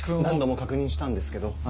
何度も確認したんですけど。